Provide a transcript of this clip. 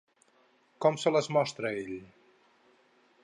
Com se les mostra ell?